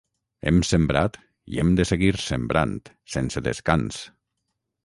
Hem sembrat i hem de seguir sembrant, sense descans.